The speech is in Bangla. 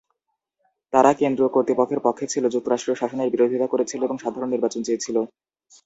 তারা কেন্দ্রীয় কর্তৃপক্ষের পক্ষে ছিল, যুক্তরাষ্ট্রীয় শাসনের বিরোধিতা করেছিল এবং সাধারণ নির্বাচন চেয়েছিল।